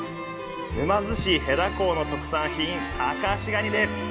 沼津市戸田港の特産品タカアシガニです。